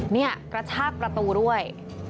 นี่กระชากประตูด้วย